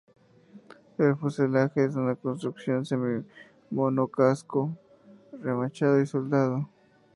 El fuselaje es una construcción semi monocasco remachado y soldado.